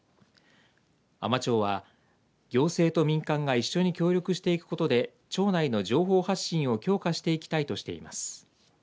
海士町は行政と民間が一緒に協力していくことで町内の情報発信を強化していきたいとしています。